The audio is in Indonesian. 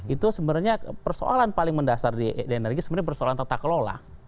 itu sebenarnya persoalan paling mendasar di energi sebenarnya persoalan tata kelola